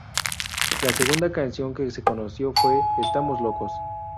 La segunda canción que se conoció fue "Estamos Locos".